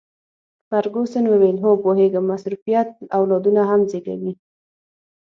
فرګوسن وویل: هو، پوهیږم، مصروفیت اولادونه هم زیږوي.